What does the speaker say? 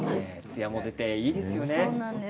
ツヤも出ていいですよね。